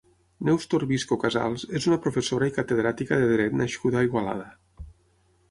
Neus Torbisco-Casals és una professora i catedràtica de dret nascuda a Igualada.